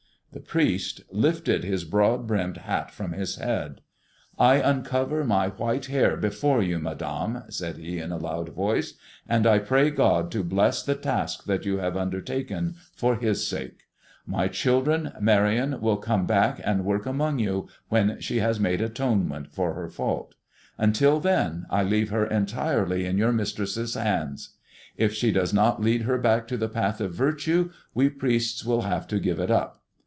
The priest lifted his broad brimmed hat from his head. "I uncover my white hair before you, Madame," said he, in a loud voice, "and I pray God to bless the task that you have undertaken for his sake. My children, Marion will come back and work among you when she has made atonement for her fault. Until then I leave her entirely in your mistress's hands. If she does not lead her back to the path of virtue, we priests will have to give it up.